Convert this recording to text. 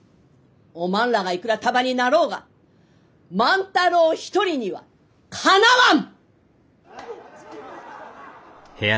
おまんらがいくら束になろうが万太郎一人にはかなわん！